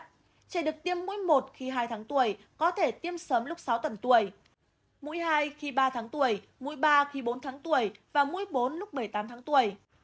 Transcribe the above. trẻ được tiêm mũi một khi hai tháng tuổi có thể tiêm sớm lúc sáu tầng tuổi mũi hai khi ba tháng tuổi mũi ba khi bốn tháng tuổi và mũi bốn lúc một mươi tám tháng tuổi